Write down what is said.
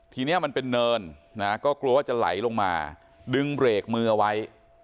ทีนี้มันเป็นเนินนะก็กลัวว่าจะไหลลงมาดึงเบรกมือเอาไว้